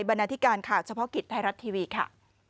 ในบรรณาธิการค่ะเฉพาะกิจไทยรัฐทีวีค่ะ